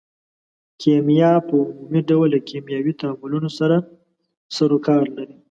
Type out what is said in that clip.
کیمیا په عمومي ډول له کیمیاوي تعاملونو سره سرو کار لري.